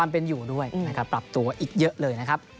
ความเป็นอยู่ด้วยปรับตัวอีกเยอะเลยนะครับ